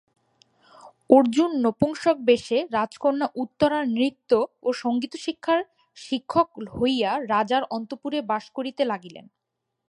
অর্জুন নপুংসকবেশে রাজকন্যা উত্তরার নৃত্য ও সঙ্গীতশিক্ষার শিক্ষক হইয়া রাজার অন্তঃপুরে বাস করিতে লাগিলেন।